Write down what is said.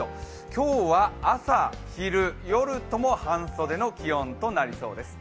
今日は朝、昼、夜とも半袖の気温となりそうです